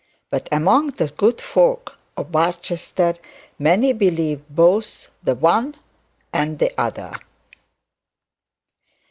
But among the good folk of Barchester many believed both the one and the other.